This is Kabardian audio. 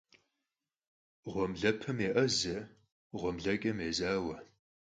Ğuemılepem yê'eze, ğuemıleç'em yêzaue.